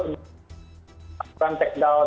takutkan take down